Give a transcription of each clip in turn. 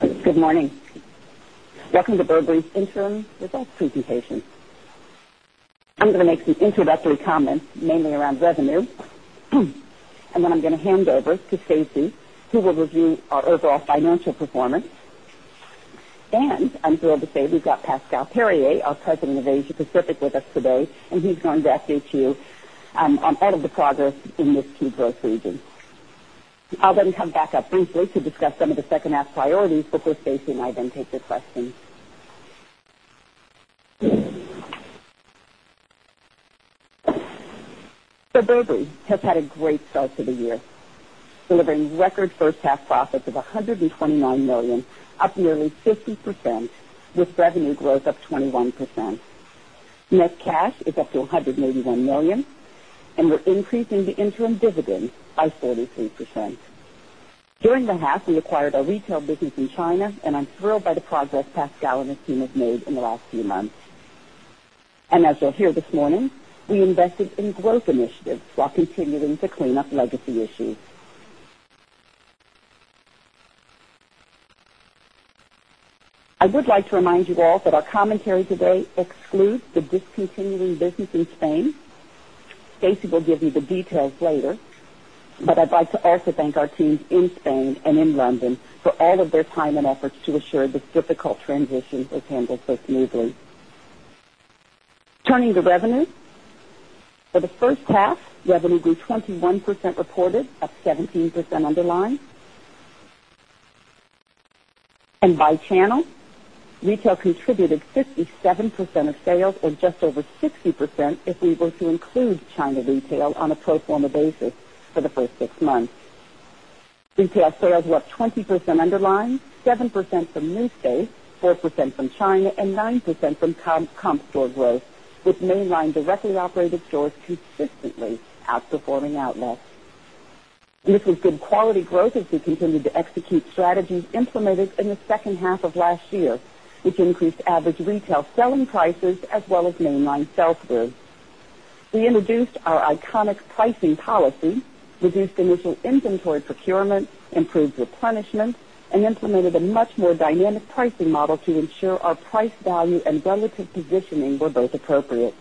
Good morning. Welcome to Burberry's Interim Results Presentation. I'm going to make some introductory comments mainly around revenue, and then I'm going to hand over to Stacy, who will review our overall financial performance. And I'm thrilled to say we've got Pascal Perrier, our President of Asia Pacific with us today, and he's going to update you on better the progress in this key growth region. I'll then come back up briefly to discuss some of the second half priorities before Stacy and I then take your questions. So Bvlry has had a great start to the year, delivering record first half profits of $129,000,000 up nearly 50% with revenue growth up 21%. Net cash is up to $181,000,000 and we're increasing the interim dividend by 43%. During the half, we acquired our retail business in China and I'm thrilled by the progress Pascal and his team has made in the last few months. And as you'll hear this morning, we invested in growth initiatives while continuing to clean up legacy issues. I would like to remind you all that our commentary today excludes the discontinuing business in Spain. Stacy will give you the details later, but I'd like to also thank our teams in Spain and in London for all of their time and efforts to assure this difficult transition is handled so smoothly. Turning to revenue. For the first half, revenue grew 21% reported, up 17% underlying. And by channel, retail contributed 57% of sales or just over 60% if we were to include China retail on a pro form a basis for the 1st 6 months. DTS sales were up 20% underlying, 7% from new space, 4% from China and 9% from comp store growth with mainline directly operated stores consistently outperforming outlets. This was good quality growth as we continued to execute strategies implemented in the second half of last year, which increased average retail selling prices as well as mainline sell through. We introduced our iconic pricing policy, reduced initial inventory procurement, improved replenishment and implemented a much more dynamic pricing model to ensure our price value and relative positioning were both appropriate.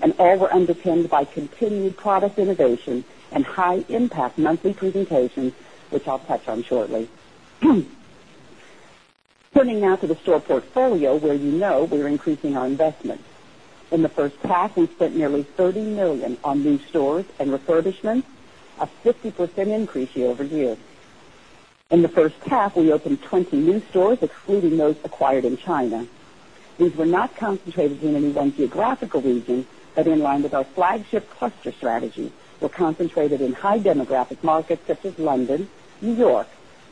And all were underpinned by continued product innovation and high impact monthly presentations, which I'll touch on shortly. Turning now to the store portfolio where you know we are increasing our investments. In the first half, we spent nearly $30,000,000 on new stores and refurbishments, a 50% increase year over year. In the first half, we opened 20 new stores excluding those acquired in China. These were not concentrated in any one geographical region, but in line with our flagship cluster strategy, were concentrated in high demographic markets such as London, New York,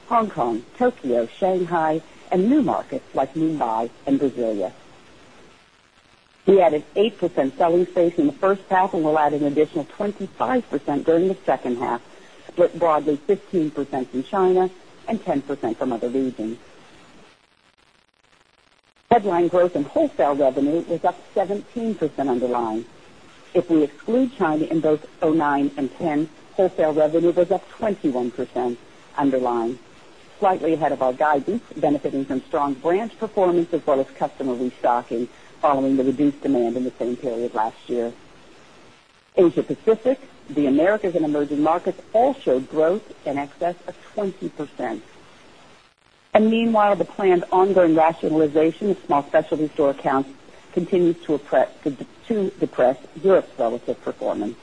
Hong Kong, Tokyo, Shanghai and new markets like Mumbai and Brasilia. We added 8% selling space in the first half and will add an additional 25% during the second half, split broadly 15% from China and 10% from other regions. Headline growth in wholesale revenue was up 17% underlying. If we exclude China in both 'nine and 'ten, wholesale revenue was up 21% underlying, slightly ahead of our guidance, benefiting from strong branch performance as well as customer restocking following the reduced demand in the same period last year. Asia Pacific, the Americas and Emerging Markets all showed growth in excess of 20%. And meanwhile, the planned ongoing rationalization of small specialty store accounts continues to depress Europe's relative performance.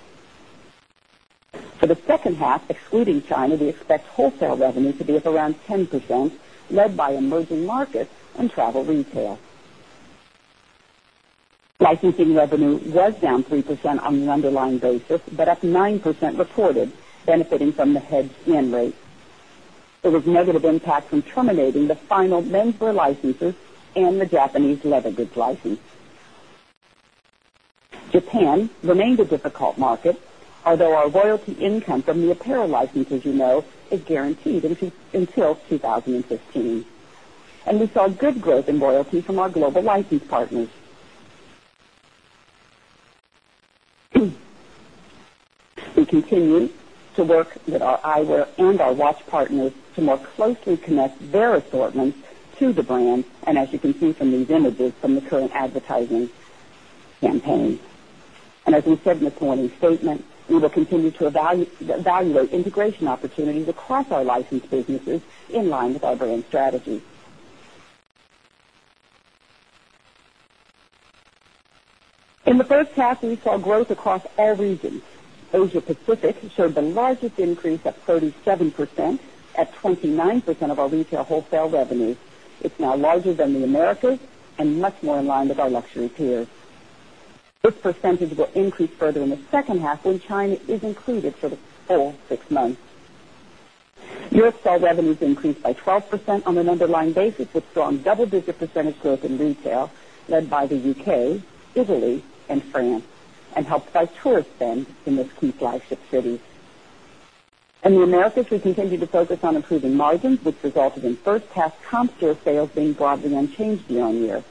For the second half, excluding China, we expect wholesale revenue to be up around 10% led by emerging markets and travel retail. Licensing revenue was down 3% on an underlying basis, but up 9% reported benefiting from the head scan rate. There was negative impact from terminating the final MIMSIR licenses and the Japanese Levongage license. Japan remained a difficult market, although our royalty income from the apparel license, as you know, is guaranteed until 2015. And we saw good growth in royalty from our global license partners. We continue to work with our eyewear and our watch partners to more closely connect their assortments to the brand and as you can see from these images from the current advertising campaign. And as we said in the Q1 of this statement, we will continue to evaluate integration opportunities across our licensed businesses in line with our brand strategy. In the first half, we saw growth across all regions. Asia Pacific showed the largest increase of 37% at 29% of our retail wholesale revenue. It's now larger than the Americas and much more in line with our luxury peers. This percentage will increase further in the second half when China is included for the full 6 months. Europe saw revenues increased by 12% on an underlying basis with strong double digit percentage growth in retail led by the U. K, Italy and France and helped by tourist spend in this key flagship city. In the Americas, we continue to focus on improving margins, which resulted in 1st pass comp store sales being broadly unchanged year on year.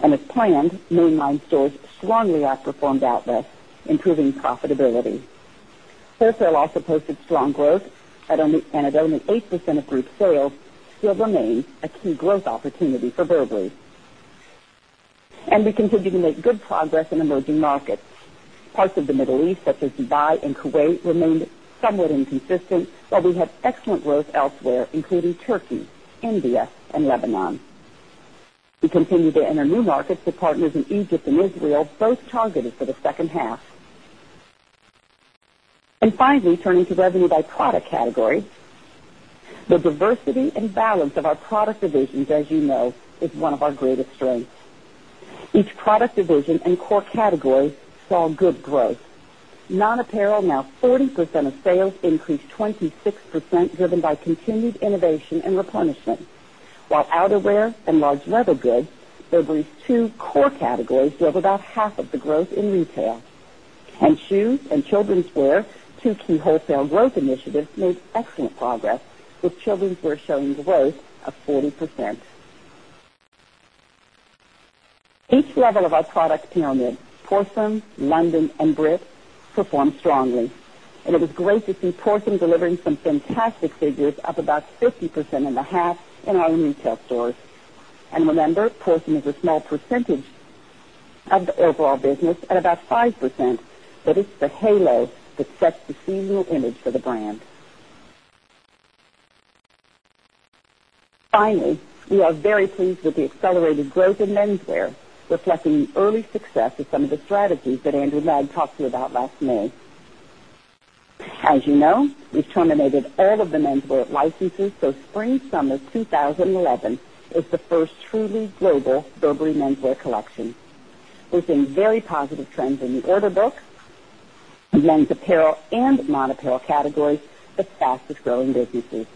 And as planned, mainline stores strongly outperformed Atlas, improving profitability. Wholesale also posted strong growth and at only 8% of group sales still remains a key growth opportunity for Verbally. And we continue to make good progress in emerging markets. Parts of the Middle East such as Dubai and Kuwait remained somewhat inconsistent, while we had excellent growth elsewhere, including Turkey, India and Lebanon. We continue to enter new markets with partners in Egypt and Israel, both targeted for the second half. And finally, turning to revenue by product category. The diversity and balance of our product divisions, as you know, is one of our greatest strengths. Each product division and core categories saw good growth. Non apparel now 40% of sales increased 26 percent driven by continued innovation and replenishment. While outerwear and large leather goods, they've reached 2 core categories drove about half of the growth in retail. Hence shoes and children's wear, 2 key wholesale growth initiatives, made excellent progress with children's wear showing the growth of 40%. Each level of our product pyramid, porcelain, London and Brit, performed strongly. And it was great to see porcelain delivering some fantastic figures up about 50% in the half in our retail stores. And remember, Porsen is a small percentage of the overall business at about 5%, but it's the halo that sets the seasonal image for the brand. Finally, we are very pleased with the accelerated growth in menswear, reflecting the early success of some of the strategies that Andrew Ladd talked to you about last May. As you know, we've terminated all of the menswear licenses for springsummer 2011 is the 1st truly global Burberry menswear collection. We've seen very positive trends in the order book, men's apparel and non apparel categories, the fastest growing businesses.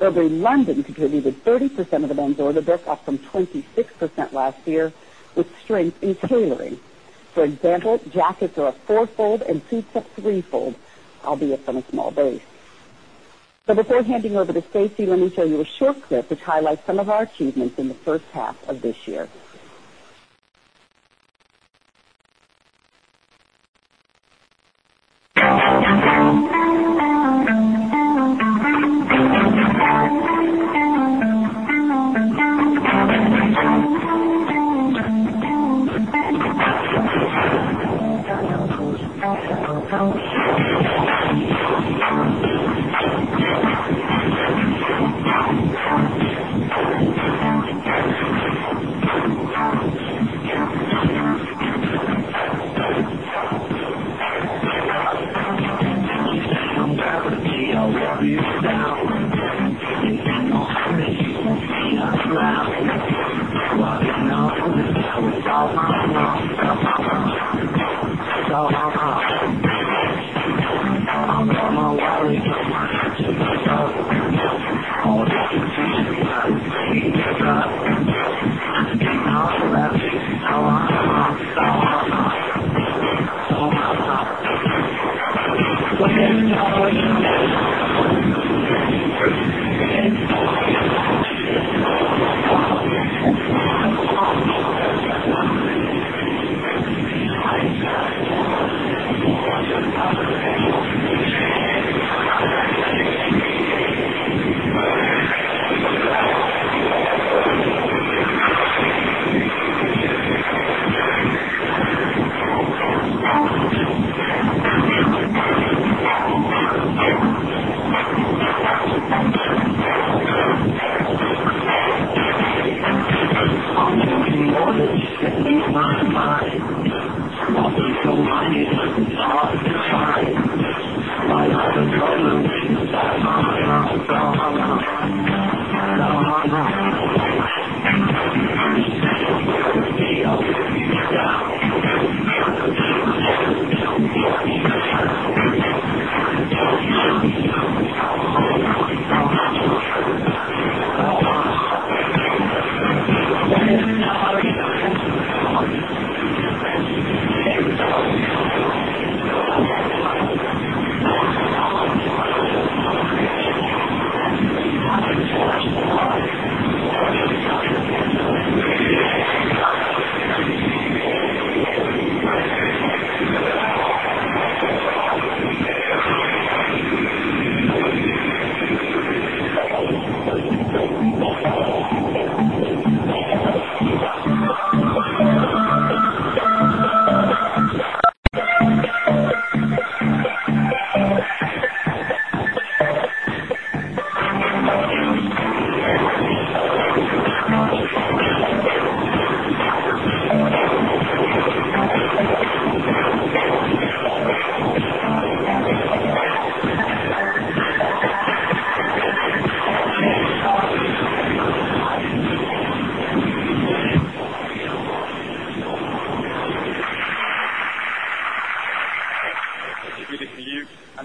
Urban London contributed 30% of the men's order book, up from 26 percent last year with strength in tailoring. For example, jackets are a 4 fold and 2 took 3 fold, albeit from a small base. So before handing over to Stacy, let me show you a short clip which highlights some of our achievements in the first half of this year. And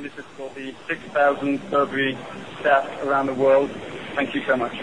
this is for the 6000 survey staff around the world. Thank you so much.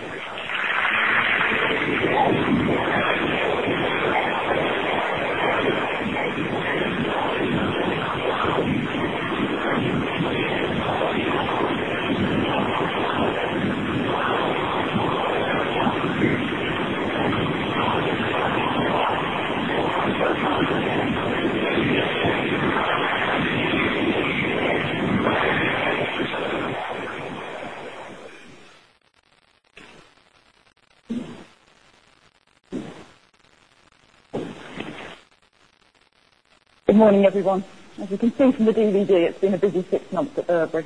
Good morning, everyone. As you can see from the DVD, it's been a busy 6 months at Erbri.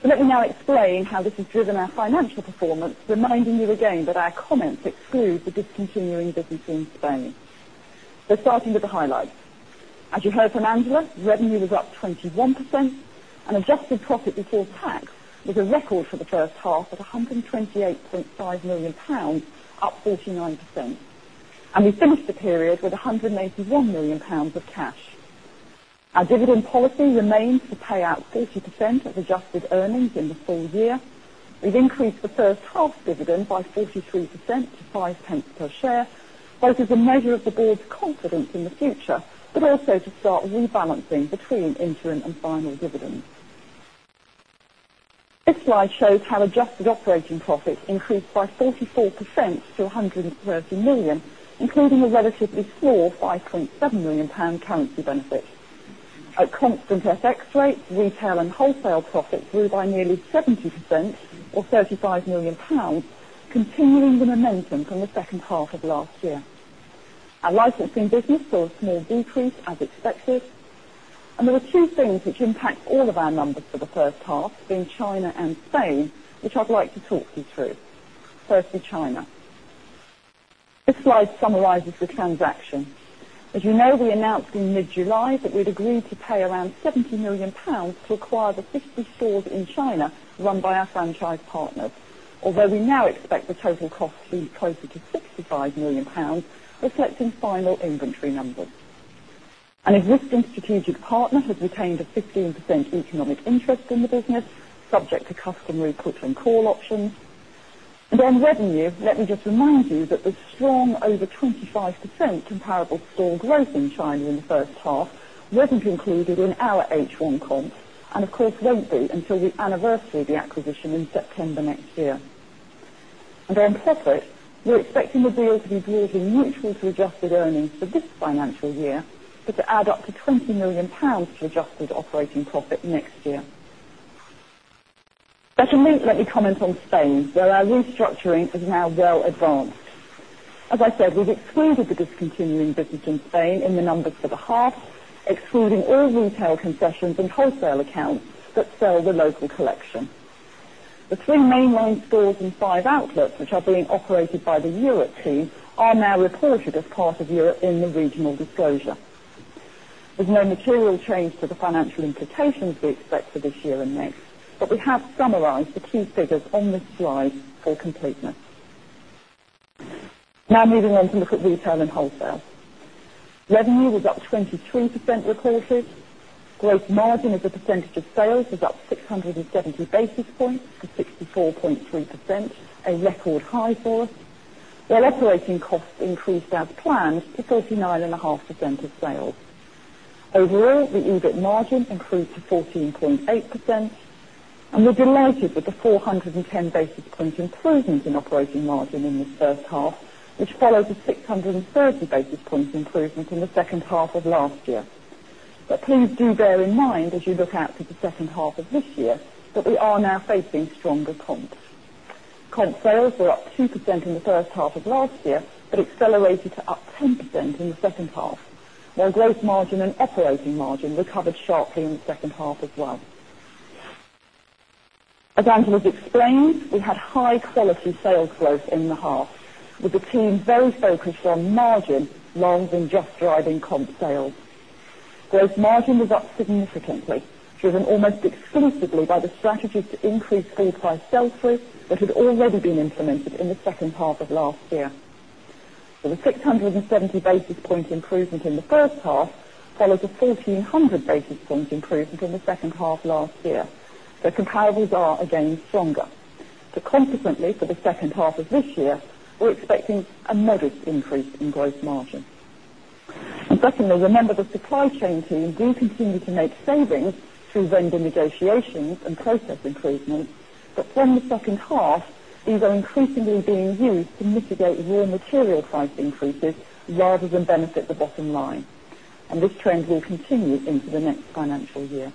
So let me now explain how this has driven our financial As you heard from Angela, revenue was up 21% and adjusted profit before tax was a record for the first half at 128,500,000 pounds up 49%. And we finished the period with £181,000,000 of cash. Our dividend policy remains to pay out 50% of adjusted earnings in the full year. We've increased the first half dividend by 43% to 0.05p per share, but it is a measure of the Board's confidence in the future, but also to start rebalancing between interim and final dividends. This slide shows our adjusted operating profit increased by 44 percent to £130,000,000 including currency benefit. At constant FX rate, retail and wholesale profit grew by nearly 70% or £35,000,000 continuing the momentum from the second half of last year. Our licensing business saw a small decrease as expected. And there were 2 things which impact all of our numbers for the first half, being China and Spain, which I'd like to talk you through. Firstly, China. This slide summarizes the transaction. As you know, we announced in mid July that we'd agreed to pay around £70,000,000 to acquire the 50 stores in China run by our franchise partners, although we now expect the total cost to be closer to £65,000,000 reflecting final inventory numbers. An existing strategic partner has retained a 15% economic interest in the business subject to customary coaching call options. And on revenue, let me just remind you that the strong over 25% comparable store growth in China in the first half wasn't included in our H1 comps and of course won't be until the anniversary of the acquisition in September next year. And then separate, we're expecting the deal to be broadly neutral to adjusted earnings for this financial year but to add up to £20,000,000 to adjusted operating profit next year. Secondly, let me comment on Spain, where our restructuring is now well advanced. As I said, we've excluded the discontinuing business in Spain in the numbers for the half, excluding all retail concessions and wholesale accounts reported as part of Europe in the regional disclosure. There's no material change to the financial implications we expect for this year and mix, but we have summarized the key figures on this slide for completeness. Now moving on to look at retail and wholesale. Revenue was up 23% recorded. Gross margin as a percentage of sales was up 6 70 basis points to 64.3%, a record high for us, while operating costs increased as planned to 39.5% of sales. Overall, the EBIT margin improved to 14.8%, and we're delighted with the 4 10 basis points improvement in operating margin in the first half, which follows a 6 30 basis points improvement in the second half of last year. But please do bear in mind as you look out to the second half of this year that we are now facing stronger comps. Comp sales were up 2% in the first half of last year but accelerated to up 10% in the second half, while gross margin and operating margin recovered sharply in the second half as well. As Angela explained, we had high quality sales growth in the half with the team very focused on margin, long than just driving comp sales. Gross margin was up significantly, driven almost exclusively by the strategy to increase food price sales force, which had already been implemented in the second half of last year. The 6 70 basis point improvement in the first half followed the 1400 basis points improvement in the second half last year. The comparables are again stronger. So, competently, for the second half of this year, we're we're expecting a modest increase in gross margin. And secondly, remember the supply chain team do continue to make savings through vendor negotiations and process improvements. But from the second half, these are increasingly being used to mitigate raw material price increases rather than benefit the bottom line. And this trend will continue into the next financial year.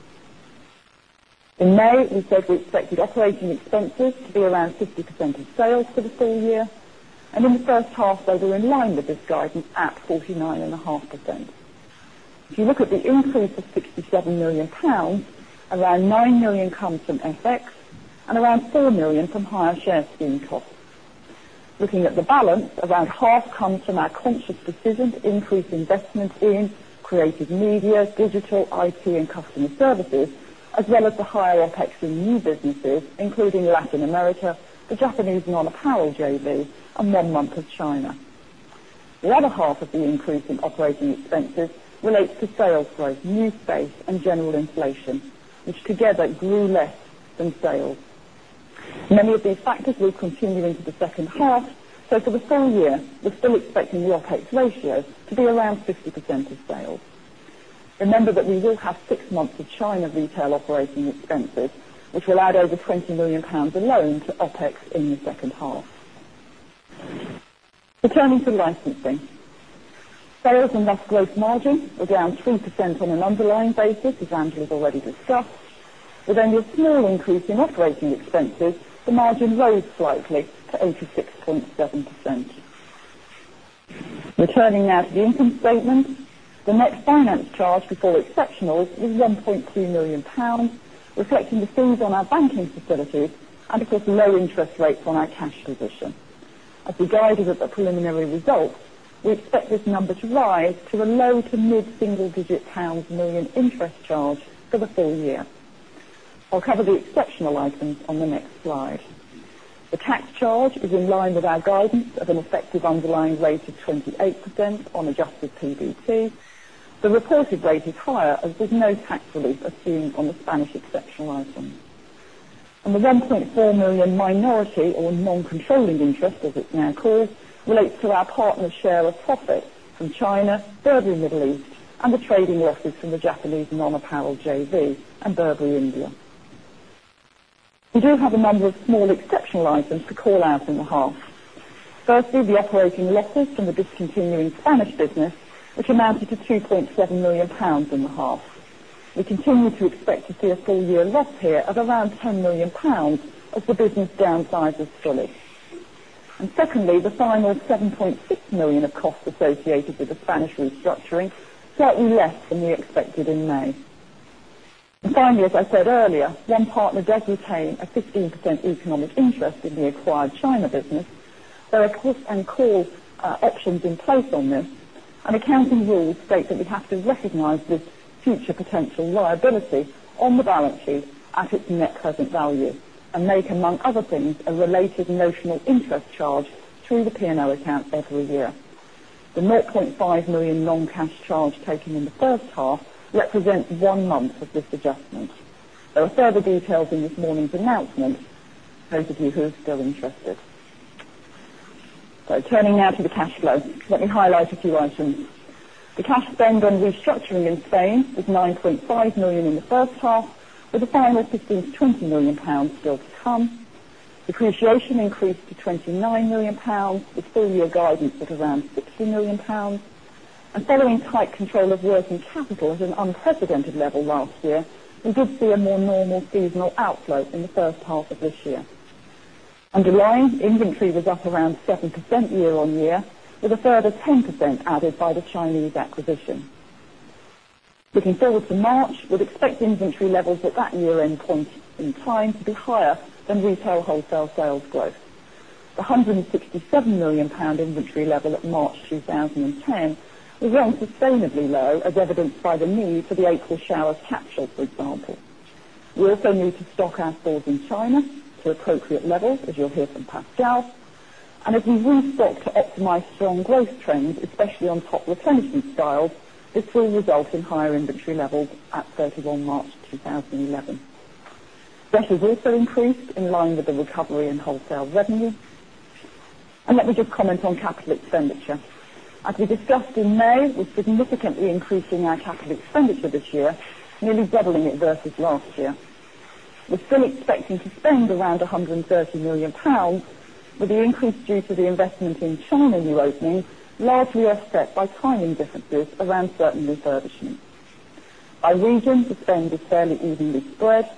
In May, we said we expected operating expenses to be around 50 increase of £67,000,000 around 9 look at the increase of £67,000,000 around £9,000,000 comes from FX and around £4,000,000 from higher share spin costs. Looking at the balance, around half comes from our conscious decision to increase investment in creative media, digital, IT and customer services as well as the higher OpEx for new businesses, including Latin America, the Japanese non apparel JV and 1 month of China. The other half of the increase in operating expenses relates to sales growth, new space and general inflation, which together grew less than sales. Many of these factors will continue into the second half. So for the full year, we're still expecting the OpEx ratio to be around 60% of sales. Remember that we will have 6 months of China retail operating expenses, which will add over £20,000,000 alone to OpEx in the second half. Returning to licensing. Sales and mass gross margin were down 3% on an underlying basis, as Andrew has already discussed. With only a small increase in operating expenses, the margin rose slightly to 86.7%. Returning now to the income statement. The net finance charge before exceptionals is £1,200,000 reflecting the fees on our banking facilities and of course, low interest rates on our cash position. As we guided at the preliminary results, we expect this number to rise to the lowtomidsingledigit pounds 1,000,000 interest charge for the full year. I'll cover the exceptional items on the next slide. The tax charge is in line with our guidance of an effective underlying rate of 28% on adjusted PBT. The reported rate is higher as there's no tax relief assumed on the Spanish exceptional items. And the €1,400,000 minority or non controlling interest, as it's now called, relates to our partner's share of profit from China, Burberry Middle East and the trading losses from the Japanese non apparel JV and Burberry India. We do have a number of small exceptional items to call out in the half. Firstly, the operating losses from the discontinuing Spanish business, which amounted to £2,700,000 in the half. We continue to expect to see a full year loss here of around £10,000,000 as the business downsizes fully. And secondly, the final €7,600,000 of costs associated with the Spanish restructuring, slightly less than we expected in May. Finally, as I said earlier, one partner does retain a 15% economic interest in the acquired China business. There are puts and calls actions in place on this. And accounting rules state that we have to recognize this future potential liability on the balance sheet at its net present value and make, among other things, a related notional interest charge through the P and L account every year. The net €500,000 long cash charge taken in the first half represents 1 month of this adjustment. There are further details in this morning's announcement for those of you who are still interested. Turning now to the cash flow. Let me highlight a few items. The cash spend on restructuring in Spain was €9,500,000 in the first half with a fine risk of £20,000,000 still to come. Depreciation increased to £29,000,000 with full year guidance of around £60,000,000 following tight control of working capital at an unprecedented level last year, we did see a more normal seasonal outflow in the first half of this year. Underlying, inventory was up around 7% year on year with a further 10% added by the Chinese acquisition. Looking forward to March, we'd expect inventory levels at that year end point in time to be higher than retail wholesale sales growth. The £167,000,000 inventory level at March 2010 was well sustainably low as evidenced by the need for the April showers capsule, for example. We also need to stock our stores in China to appropriate levels, as you'll hear from Pat Gao. And as we restock to optimize strong growth trends, especially on top replenishment styles, this will result in higher inventory levels at 31 March 2011. That has also increased in line with the recovery in wholesale revenue. And let me just comment on capital expenditure. As we discussed in May, we're significantly increasing our capital expenditure this year, nearly doubling it versus last year. We're still expecting to spend around £130,000,000 with the increase due to the investment in China new opening largely offset by timing differences around certain refurbishments. By region, the spend is fairly evenly spread.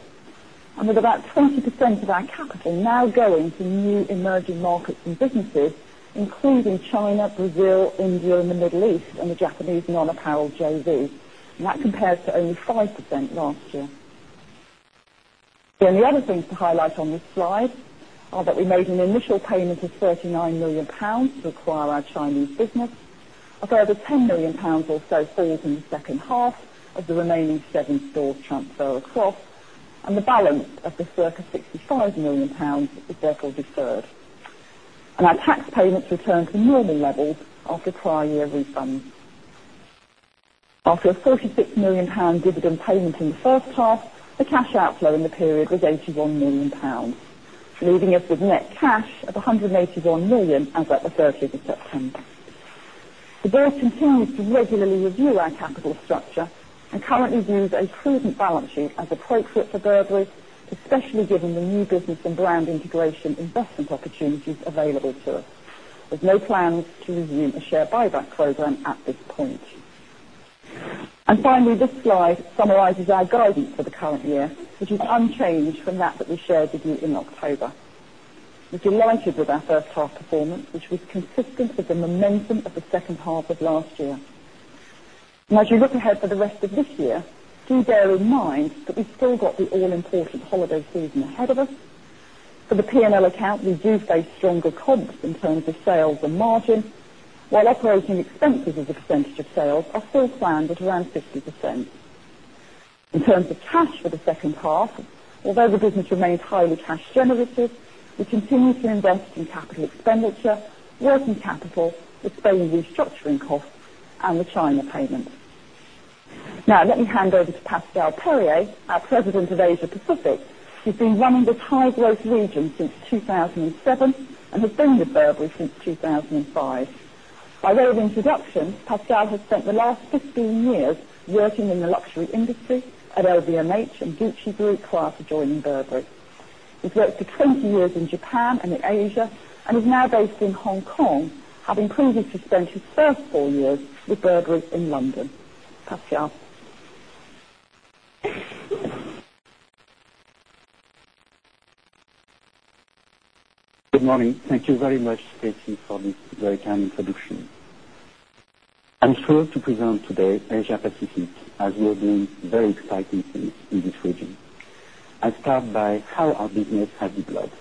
And with about 20% of our capital now going to new emerging markets and businesses, including China, Brazil, India and the Middle East and the Japanese non apparel JV. That compares to only 5% last year. The only other things to highlight on this slide are that we made an initial payment of £39,000,000 to acquire our Chinese business, a further £10,000,000 or so filled in the second half of the circa £65,000,000 is therefore deferred. And our tax payments returned to normal levels after prior year refunds. After a £36,000,000 dividend payment in the first half, the cash outflow in the period was £81,000,000 leaving us with net cash of £181,000,000 as of the 30th September. The Board continues to regularly review our capital structure and currently view a prudent balance sheet as appropriate for Burberry, especially given the new business and brand integration investment opportunities available to us. There's no plans to resume a share buyback program at this point. And finally, this slide summarizes our guidance for the current year, which is unchanged from that that we shared with you in October. We're delighted with our first half performance, which was consistent with the momentum of the second half of last year. And as we look ahead for the rest of this year, do bear in mind that we still got the all important holiday season ahead of us. For the P and L account, we do face stronger comps in terms of sales and margin, while operating expenses as extensive sales are full planned at around 50%. In terms of cash for the second half, although the business remains highly cash generative, we continue to invest in capital expenditure, working capital, the Spain restructuring costs and the China payment. Now let me hand over to Perrier, our President of Asia Pacific. He's been running this high growth region since 2007 and has been with Burberry since 2,005. By way of introduction, Pascal has spent the last 15 years working in the luxury industry at LVMH and Gucci Boutique class adjoining Burberry. He's worked for 20 years in Japan and in Asia and is now based in Hong Kong, having proven to spend his 1st 4 years with Burberry's in London. Good morning. Thank you very much, Stacy, for this very kind introduction. I'm thrilled to present today Asia Pacific as we have been very exciting since in this region. I'll start by how our business has developed,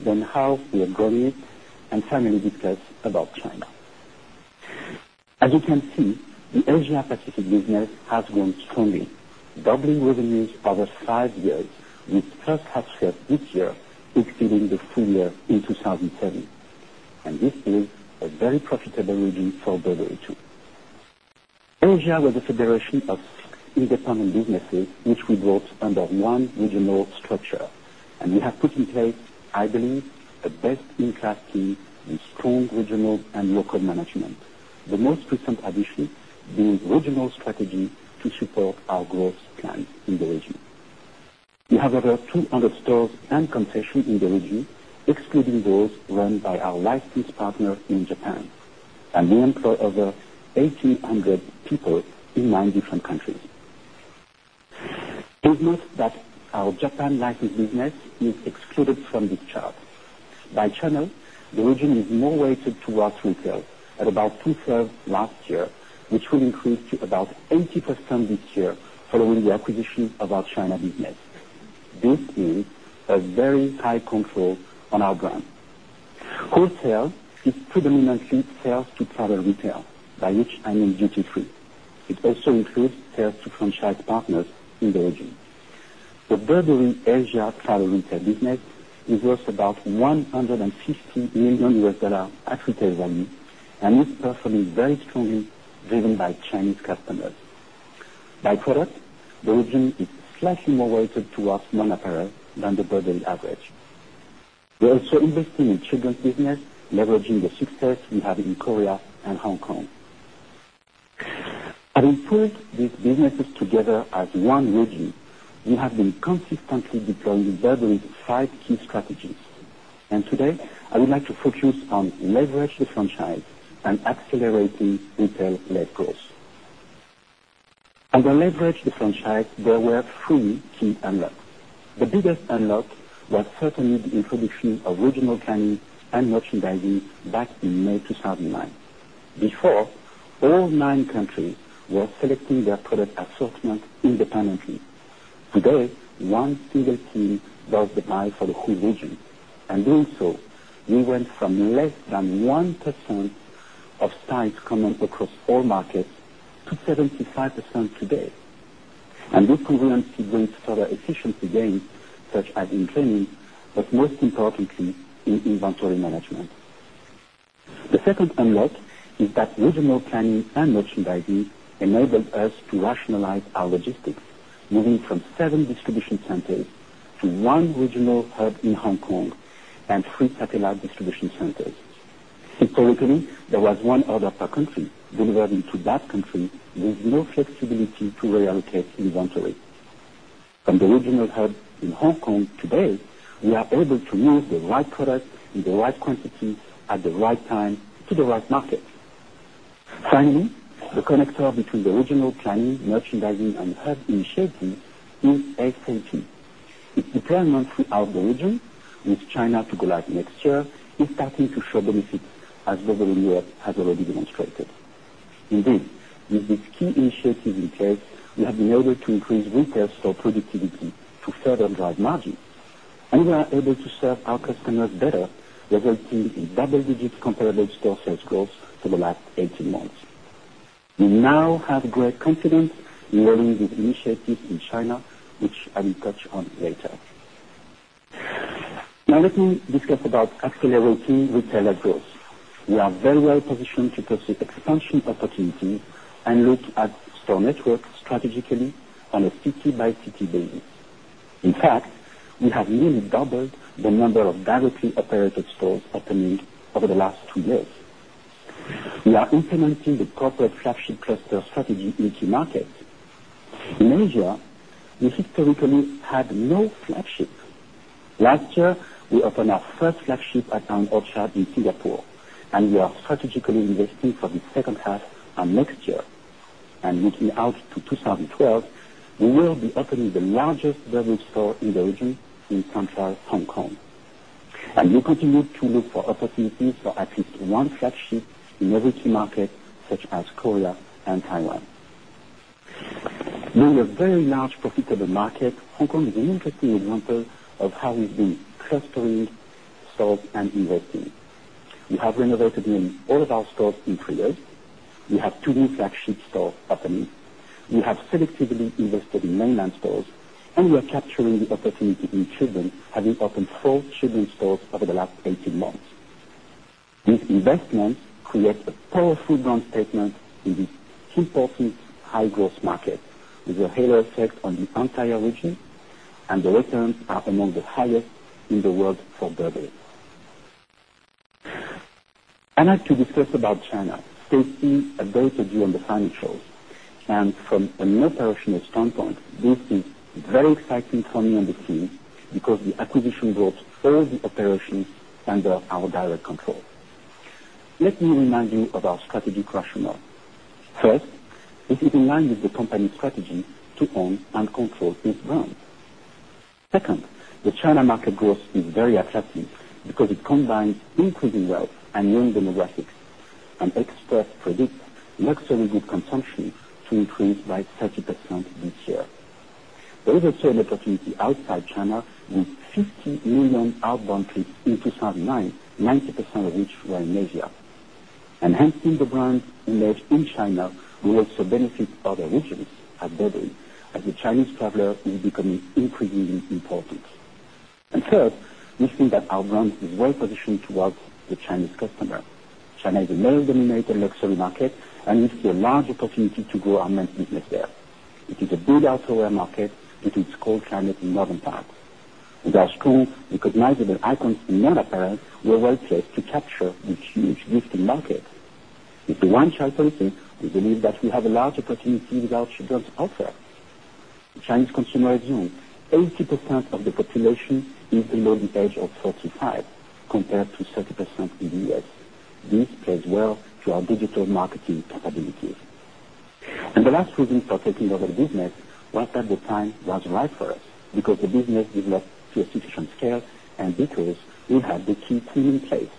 then how we have grown it and finally discuss about China. As you can see, the Algaea Pacific business has grown strongly, doubling revenues over 5 years, which first half fare this year exceeding the full year in 2017. And this is a very profitable region for W2. Asia was a federation of 6 independent businesses, which we brought under 1 regional structure and we have put in place, I believe, a best in class key with strong regional and local management, the most recent addition, the regional strategy to support our growth plans in the region. We have over 200 stores and concession in the region, excluding those run by our license partner in Japan, and we employ over 1800 people in 9 different countries. We've note that our Japan Lightening business is excluded from this chart. By channel, the region is more weighted towards retail at about 2 thirds last year, which will increase to about 80% this year following the acquisition of our China business. This is a very high control on our brand. Wholesale is predominantly sales to travel retail, by which I mean duty free. It also includes sales to franchise partners in the region. The Burberry Asia travel retail business is worth about $150,000,000 accretail value and is definitely very strongly driven by Chinese customers. By product, the region is slightly more weighted towards non apparel than the broadly average. We also invested in children's business, leveraging the success we have in Korea and Hong Kong. Having put these businesses together as one region, we have been consistently deploying Double's 5 key strategies. And today, I would like to focus on leverage the franchise and accelerating retail led growth. Under leverage the franchise, there were 3 key unlocks. The biggest unlock was certainly the introduction of original canning and merchandising back in May 2009. Before, all 9 countries were selecting their product assortment independently. Today, one single team does the buy for the whole region. And doing so, we went from less than 1% of styles coming across all markets to 75% today. And this currency brings further efficiency gains such as in training, but most importantly in inventory management. The second unlock is that regional planning and merchandising enabled us to rationalize our Importantly, there Historically, there was one order per country delivered into that country with no flexibility to relocate inventory. From the regional hub in Hong Kong today, we are able to use the right product in the right quantity at the right time to the right market. Finally, the connector between the regional planning, merchandising and hub initiatives is exciting. 2020. It's determined through our origin with China to go live next year is starting to show the benefits as the world has already demonstrated. Indeed, with these key initiatives in place, we have been able to increase retail store productivity to further drive margin And we are able to serve our customers better, resulting in double digit comparable store sales growth for the last 18 months. We now have great confidence in rolling these initiatives in China, which I will touch on later. Now let me discuss about Accelerate Retailer Growth. We are very well positioned to pursue expansion opportunities and look at store network strategically on a city by city basis. In fact, we have nearly doubled the number of directly operated stores opening over the last 2 years. We are implementing the corporate flagship cluster strategy in the key markets. In Asia, the historical economy had no flagship. Last year, we opened our 1st flagship at Orchard in Singapore, and we are strategically investing for the second half and next year. And looking out to 2012, we will be opening the largest beverage store in the region in Central Hong Kong. And we continue to look for opportunities for at least one flagship in every key market such as Korea and Taiwan. Being a very large profitable market, Hong Kong is an interesting example of how we've been clustering stores and investing. We have renovated in all of our stores in 3 years. We have 2 new flagship store openings. We have selectively invested in mainland stores and we are capturing the opportunity in children having opened 4 children stores over the last 18 months. These investments create a powerful brand statement in this important high growth market with a halo effect on the entire region and the returns are among the highest in the world for Derby. I'd like to discuss about China. Stacy updated you on the financials. And from an operational standpoint, this is very exciting for me and the team because the acquisition brought all the operations under our direct control. Let me remind you of our strategy rationale. 1st, this is in line with the company's strategy to own and control this brand. 2nd, the China market growth is very attractive because it combines increasing wealth and growing demographics and experts predict luxury goods consumption to increase by 30% this year. There is a third opportunity outside China with 50,000,000 outbound trips in 2009, 90% of which were in Asia. And hence, in the brands in China, we also benefit other regions at Beboe as the Chinese traveler is becoming increasingly important. And third, we feel that our brand is well positioned towards the Chinese customer. China is a well dominated luxury market and we see a large opportunity to grow our merchandise there. It is a big outdoor market with its cold climate in Northern Paris. With our school recognizable icons in young apparel, we are well placed to capture this huge gifted market. With the 1 child facing, we believe that we have a large opportunity with our children's offer. The Chinese consumer is young. 80% of the population is below the age of 35 compared to 30% in the U. S. This plays well to our digital marketing capabilities. And the last prudent partaking of the business was at the time was right for us because the business developed to a sufficient scale and because we have the key tool in place.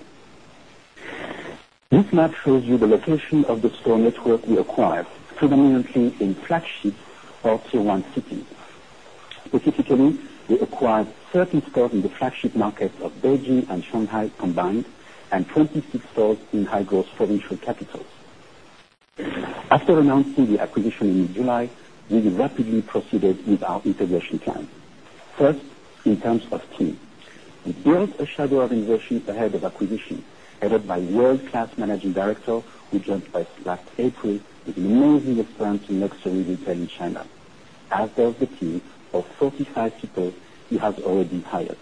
This map shows you the location of the store network we acquired, predominantly in flagships of Tier 1 cities. Specifically, we acquired 13 stores in the flagship markets of Beijing and Shanghai combined and 26 stores in high growth provincial capitals. After announcing the acquisition in July, we rapidly proceeded with our integration plan. 1st, in terms of team. We built a shadow of innovations ahead of acquisition, headed by world class Managing Director, who joined by Slack April with amazing experience in luxury retail in China as well as the team of 45 people he has already hired.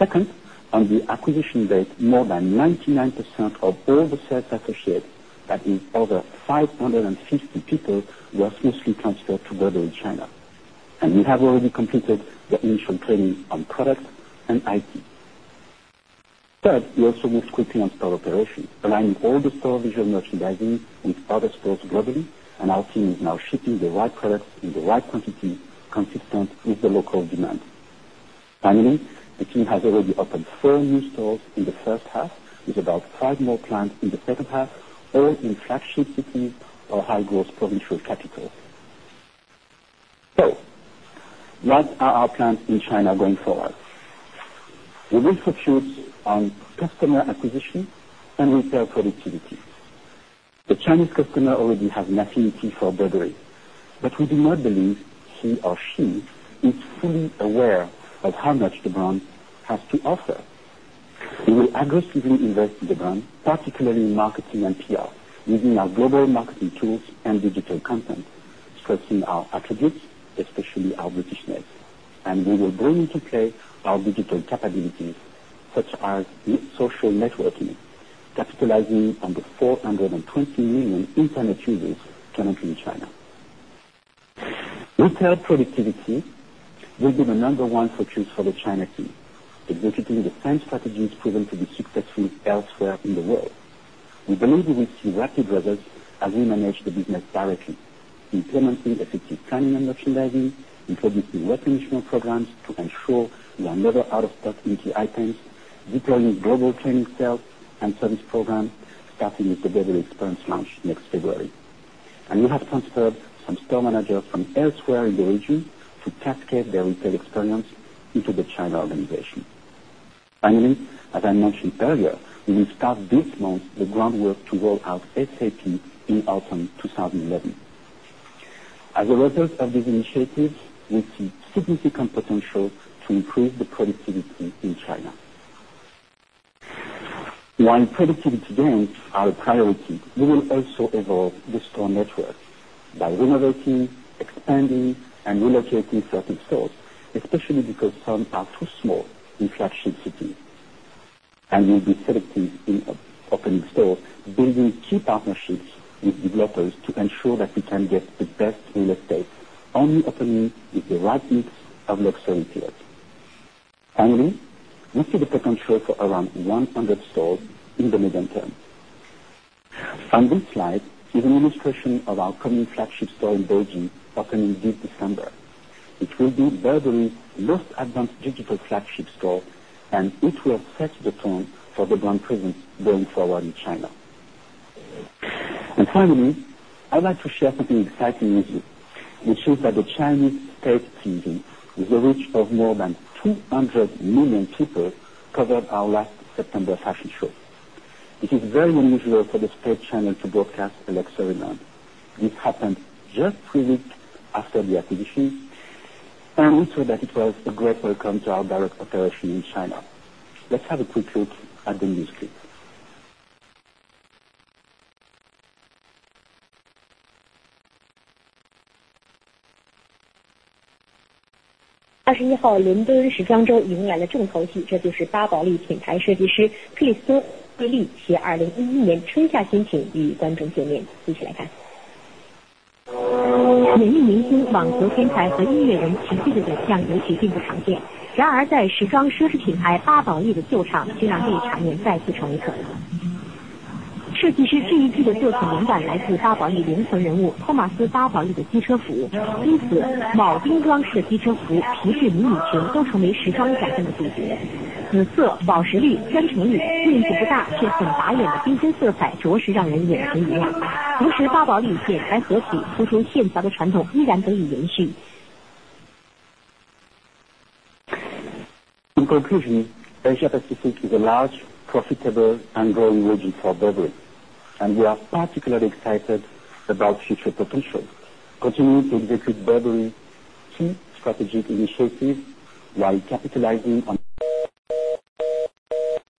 2nd, on the acquisition rate, more than 99% of all the sales associated, that is over 5 50 people were smoothly transferred to Berlin China. And we have already completed the initial training on product and IT. 3rd, we also moved quickly on store operations, aligning all the store visual merchandising with product stores globally and our team is now shipping the right products in the right quantity consistent with the local demand. Finally, the team has already opened 4 new stores in the first half with about 5 more plants in the second half, all in fraction cities or high growth provincial capital. So what are our plans in China going forward? We will focus on customer acquisition and retail productivity. The Chinese customer already has an affinity for burglary, but we do not believe he or she is fully aware of how much the brand has to offer. We will aggressively invest in the brand, particularly in marketing and PR, using our global marketing tools and digital content, stressing our attributes, especially our Britishness. And we will bring into play our digital capabilities such as the social networking, capitalizing on the 420,000,000 Internet users currently in China. Retail productivity will be the number one focus us for the China team. Executive defense strategy is proven to be successful elsewhere in the world. We believe we will see rapid progress as we manage the business directly, implementing effective timing and merchandising, introducing replenishment programs to ensure we are not out of stock IT items, deploying global training sales and service programs starting with the daily experience launch next February. And we have transferred some store managers from elsewhere in the region to cascade their retail experience into the China organization. Finally, as I mentioned earlier, we will start this month the groundwork to roll out SAP in autumn 2011. As a result of these initiatives, we see significant potential to improve the productivity in China. While in productivity gains, our priority, we will also evolve the strong network by renovating, expanding and relocating certain stores, especially because some are too small, inflection cities. And we'll be selective in opening stores, building key partnerships with developers to ensure that we can get the best real estate only opening with the right mix of luxury fields. Finally, we see the potential for around 100 stores in the medium term. On this slide is an administration of our coming flagship store in Beijing opening this December. It will be Berzary's most advanced digital flagship store and it will set the tone for the brand presence going forward in China. And finally, I'd like to share something exciting with you, which is that the Chinese state season with the reach of more than 200,000,000 people covered our last September fashion show. It is very unusual for the spread channel to broadcast Alexsaryland. This happened just a week after the acquisition and we saw that it was a great welcome to our direct operation in China. Let's have a quick look at the industry. In conclusion, Asia Pacific is a large, profitable and growing region for beverage, And we are particularly excited about future potential, continuing to execute Bevery key strategic initiatives while capitalizing on